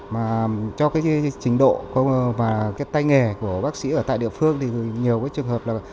mà cho cái trình độ và cái tay nghề của bác sĩ ở tại địa phương thì nhiều cái trường hợp là